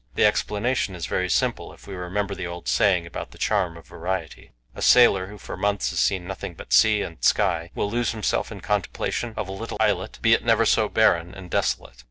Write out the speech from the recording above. The explanation is very simple, if we remember the old saying about the charm of variety. A sailor, who for months has seen nothing but sea and sky, will lose himself in contemplation of a little islet, be it never so barren and desolate.